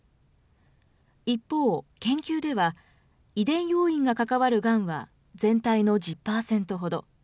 一方、研究では遺伝要因が関わるがんは、全体の１０％ほど。